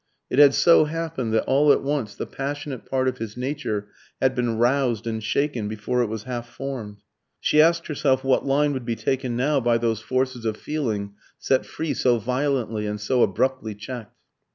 It had so happened that all at once the passionate part of his nature had been roused and shaken before it was half formed. She asked herself what line would be taken now by those forces of feeling set free so violently and so abruptly checked?